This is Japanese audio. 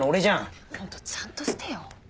ホントちゃんとしてよ。